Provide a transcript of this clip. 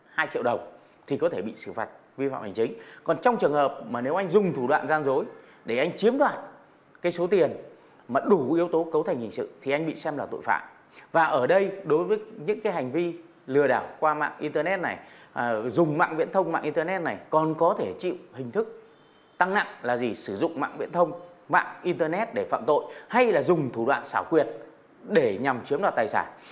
hình thức tăng nặng là gì sử dụng mạng viễn thông mạng internet để phạm tội hay là dùng thủ đoạn xảo quyệt để nhằm chiếm đoạt tài sản